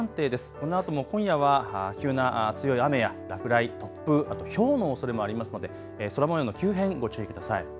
このあとも今夜は急な強い雨や落雷、突風、ひょうのおそれもありますので空もようの急変、ご注意ください。